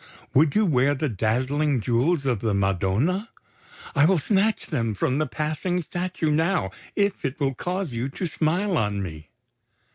Would you wear the dazzling Jewels of the Madonna? I will snatch them from the passing statue now, if it will cause you to smile on me!"